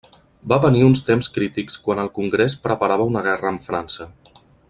Va venir uns temps crítics quan el congrés preparava una guerra amb França.